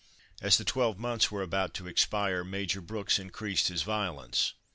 As the twelve months were about to expire, Major Brooks increased his violence.